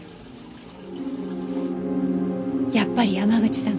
やっぱり山口さんから。